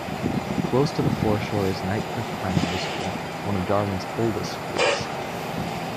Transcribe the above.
Close to the foreshore is Nightcliff Primary School, one of Darwin's oldest schools.